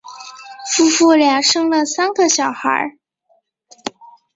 夫妇俩生了三个小孩。